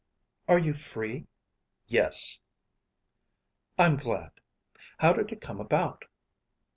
"Are you free?" "Yes." "I'm glad. How did it come about?"